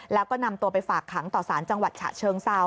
แล้วก็นำตัวไปฝากขังต่อสารจังหวัดฉะเชิงเซา